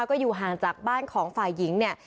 แล้วก็อยู่ห่างจากบ้านของฝ่ายหญิงเนี่ย